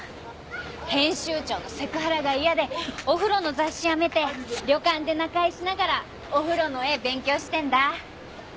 編集長のセクハラが嫌でお風呂の雑誌辞めて旅館で仲居しながらお風呂の絵勉強してんだ